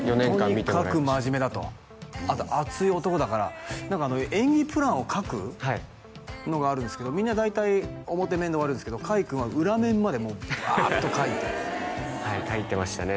とにかく真面目だとあと熱い男だから何か演技プランを書くのがあるんですけどみんな大体表面で終わるんですけど海君は裏面までもうバーッと書いてはい書いてましたね